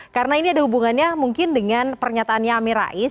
karena ini ada hubungannya mungkin dengan pernyataan nyami rais